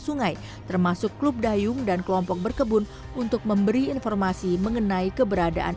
sungai termasuk klub dayung dan kelompok berkebun untuk memberi informasi mengenai keberadaan